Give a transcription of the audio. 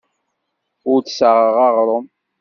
Ur d-ssaɣeɣ aɣrum.